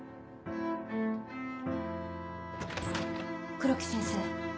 黒木先生。